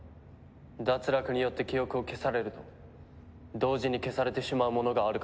脱落によって記憶を消されると同時に消されてしまうものがあるからな。